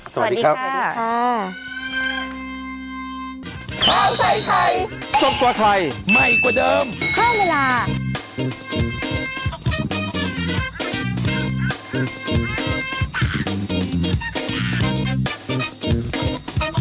สวัสดีค่ะสวัสดีค่ะ